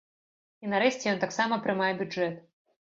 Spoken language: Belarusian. І, нарэшце, ён таксама прымае бюджэт.